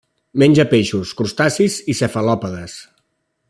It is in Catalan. Menja peixos, crustacis i cefalòpodes.